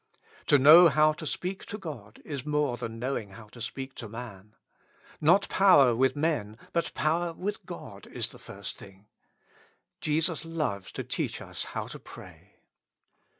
To know how to speak to God is more than knowing how to speak to man. Not power with men, but power with God is the first thing. Jesus loves to teach us how to pray.